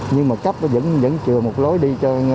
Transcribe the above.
nhưng mà cấp vẫn chừa một lối đi thôi